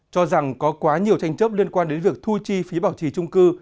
cho rằng có quá nhiều tranh chấp liên quan đến việc thu chi phí bảo trì trung cư